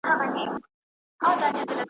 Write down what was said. هر څومره زورور هم شي